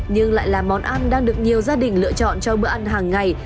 nhưng lại là món ăn đang được nhiều gia đình lựa chọn cho bữa ăn hàng ngày